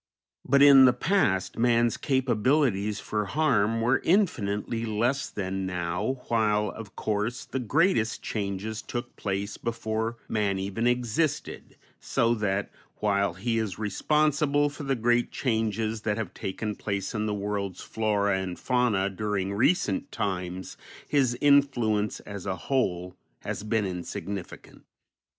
But in the past man's capabilities for harm were infinitely less than now, while of course the greatest changes took place before man even existed, so that, while he is responsible for the great changes that have taken place in the world's flora and fauna during recent times, his influence, as a whole, has been insignificant.